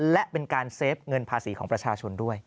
และเป็นการเซฟเงินภาษีของประชาชนด้วย